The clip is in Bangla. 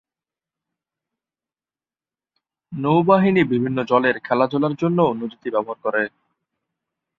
নৌবাহিনী বিভিন্ন জলের খেলাধুলার জন্যও নদীটি ব্যবহার করে।